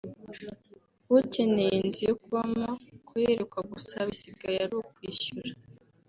ukeneye inzu yo kubamo kuyerekwa gusa bisigaye ari ukwishyura